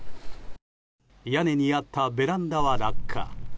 屋根にあったベランダは落下。